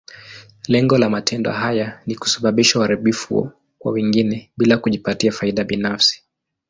Lengo la matendo haya ni kusababisha uharibifu kwa wengine, bila kujipatia faida binafsi.